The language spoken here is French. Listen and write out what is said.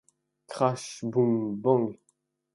Crash Boom Bang!